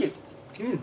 うん。